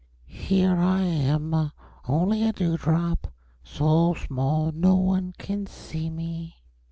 Here am I only a Dewdrop, so small no one can see me."